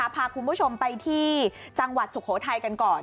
พาคุณผู้ชมไปที่จังหวัดสุโขทัยกันก่อน